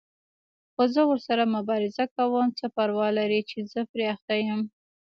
خو زه ورسره مبارزه کوم، څه پروا لري چې زه پرې اخته یم.